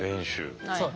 そう。